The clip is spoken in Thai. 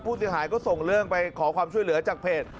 ผู้เสียหายก็ส่งเรื่องไปขอความช่วยเหลือจากเพจ